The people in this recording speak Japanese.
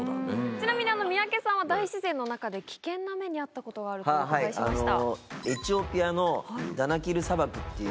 ちなみに三宅さんは大自然の中で危険な目に遭ったことがあるとお伺いしました。